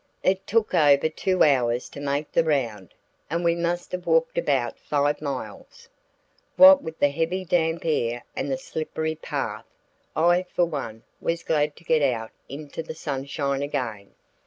It took over two hours to make the round, and we must have walked about five miles. What with the heavy damp air and the slippery path, I, for one, was glad to get out into the sunshine again.